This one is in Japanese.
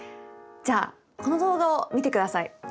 じゃあこの動画を見てください。